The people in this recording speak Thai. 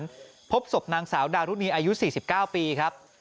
เพราะฉะนั้นพบศพนางสาวดารุณีอายุ๔๙ปีครับ